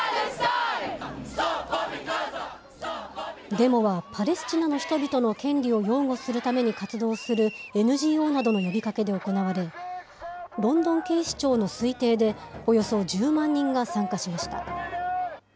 デモは、パレスチナの人々の権利を擁護するために活動するＮＧＯなどの呼びかけで行われ、ロンドン警視庁の推定でおよそ１０万人が参加しました。